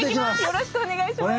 よろしくお願いします。